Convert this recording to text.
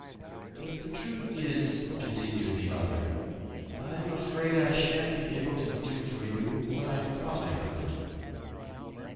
"The truth is," continued the other, "I'm afraid I shan't be able to do for you what I thought I could."